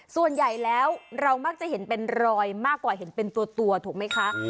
ส่วนใหญ่แล้วเรามักจะเห็นเป็นรอยมากกว่าเห็นเป็นตัวถูกไหมคะ